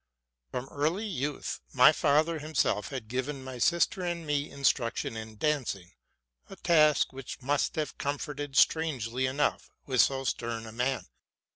From early youth my father himself had given my sister and me instruc tion in dancing, a task which 'must have comported strangely enough with so stern a man.